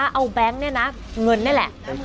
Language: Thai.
เอาแบงค์เนี่ยนะเงินนี่แหละ